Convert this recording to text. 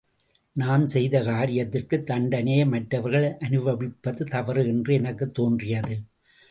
நாம் செய்த காரியத்திற்குத் தண்டனையை மற்றவர்கள் அனுபவிப்பது தவறு என்று எனக்குத் தோன்றியது.